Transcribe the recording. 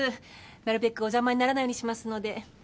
なるべくお邪魔にならないようにしますので。